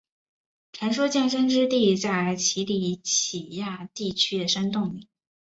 传说降生之地在奇里乞亚地区的山洞里。